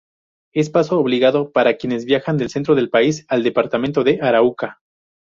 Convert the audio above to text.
Es paso obligado para quienes viajan del centro del país al departamento de Arauca.